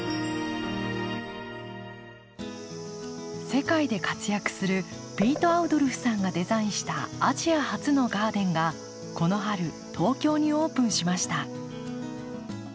世界で活躍するピート・アウドルフさんがデザインしたアジア初のガーデンがこの春東京にオープンしました。